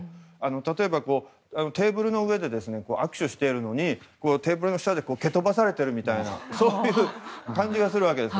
例えば、テーブルの上で握手しているのにテーブルの下で蹴飛ばされているみたいなそういう感じがするわけです。